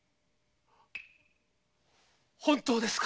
本当ですか⁉